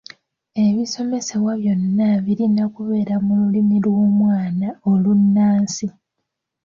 Ebisomesebwa byonna birina kubeera mu lulimi lw’omwana olunnansi.